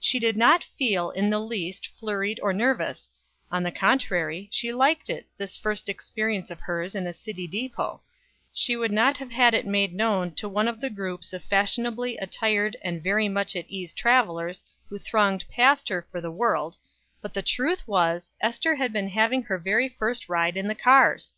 She did not feel, in the least, flurried or nervous; on the contrary, she liked it, this first experience of hers in a city depot; she would not have had it made known to one of the groups of fashionably attired and very much at ease travelers who thronged past her for the world but the truth was, Ester had been having her very first ride in the cars!